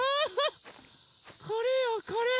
これよこれ！